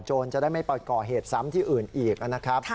จะได้ไม่ไปก่อเหตุซ้ำที่อื่นอีกนะครับ